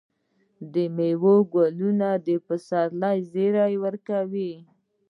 د میوو ګلونه د پسرلي زیری ورکوي.